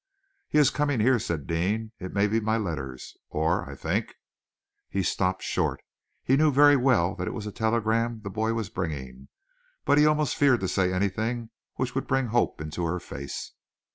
"He is coming here," said Deane. "It may be my letters. Or I think " He stopped short. He knew very well that it was a telegram the boy was bringing, but he almost feared to say anything which would bring hope into her face.